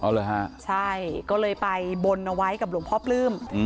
เอาเหรอฮะใช่ก็เลยไปบนเอาไว้กับหลวงพ่อปลื้ม